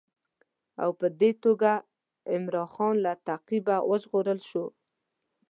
او په دې توګه عمرا خان له تعقیبه وژغورل شو.